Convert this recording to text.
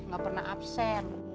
gak pernah absen